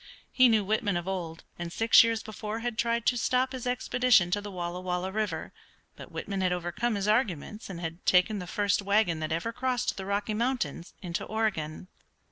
He knew Whitman of old, and six years before had tried to stop his expedition to the Walla Walla River, but Whitman had overcome his arguments, and had taken the first wagon that ever crossed the Rocky Mountains into Oregon.